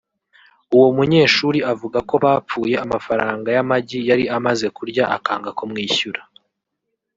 uwo munyeshuri avuga ko bapfuye amafaranga y’amagi yari amaze kurya akanga kumwishyura